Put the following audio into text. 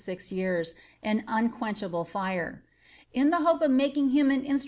fix Tears, an unquenchable lire. la the hope of making him an in i.